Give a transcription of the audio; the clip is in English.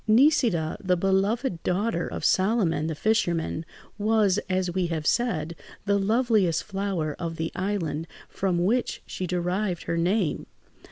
Nisida, the beloved daughter of Solomon, the fisherman, was, as we have said, the loveliest flower of the island from which she derived her name.